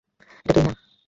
এটা তুই না।